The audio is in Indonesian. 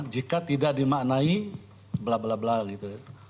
jika tidak dimaknai bla bla bla gitu